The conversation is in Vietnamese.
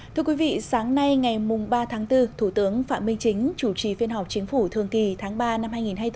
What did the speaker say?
thưa quý vị sáng nay ngày ba tháng bốn thủ tướng phạm minh chính chủ trì phiên họp chính phủ thường kỳ tháng ba năm hai nghìn hai mươi bốn